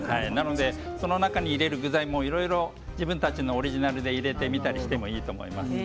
その中に入れる具材もいろいろ自分たちのオリジナルで入れてみたりしてもいいと思います。